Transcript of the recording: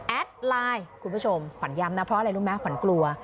ไลน์คุณผู้ชมขวัญย้ำนะเพราะอะไรรู้ไหมขวัญกลัว